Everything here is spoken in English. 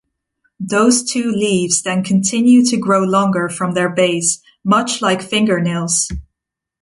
Those two leaves then continue to grow longer from their base, much like fingernails.